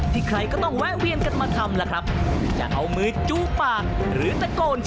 ตะโกนเช็กชื่อคน